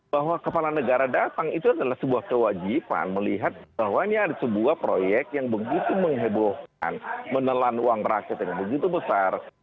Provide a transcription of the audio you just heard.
bahwa kepala negara datang itu adalah sebuah kewajiban melihat bahwa ini ada sebuah proyek yang begitu menghebohkan menelan uang rakyat yang begitu besar